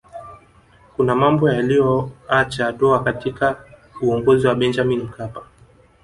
kuna mambo yaliyoacha doa katika uongozi wa benjamini mkapa